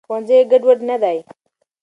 ښوونځي ګډوډ نه دی.